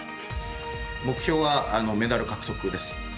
目標はメダル獲得です。